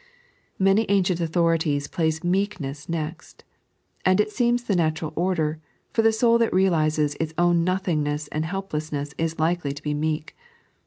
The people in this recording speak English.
Many ancient authorities place meefcneat next, and it seems the natural order, for the soul that realizes its own nothingness and helplessness is likely to be meek.